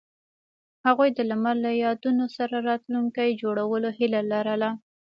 هغوی د لمر له یادونو سره راتلونکی جوړولو هیله لرله.